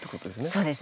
そうです。